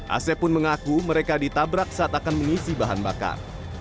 asep pun mengaku mereka ditabrak saat akan mengisi bahan bakar